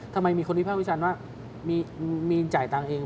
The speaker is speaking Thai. ทำไมมีคนวิภาควิจารณ์ว่ามีนจ่ายตังค์เอง